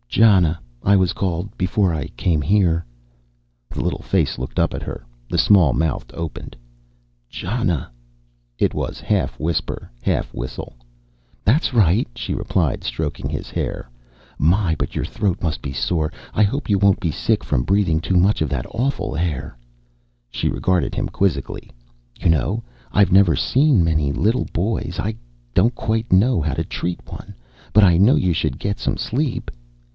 "Jana, I was called before I came here." The little face looked up at her. The small mouth opened. "Jana." It was half whisper, half whistle. "That's right," she replied, stroking his hair. "My, but your throat must be sore. I hope you won't be sick from breathing too much of that awful air." She regarded him quizzically. "You know, I've never seen many little boys. I don't quite know how to treat one. But I know you should get some sleep."